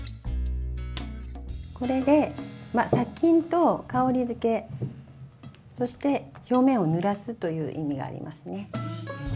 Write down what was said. これでまあ殺菌と香りづけそして表面をぬらすという意味がありますね。